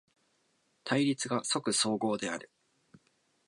対立が即綜合である。